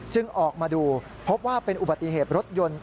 ออกมาดูพบว่าเป็นอุบัติเหตุรถยนต์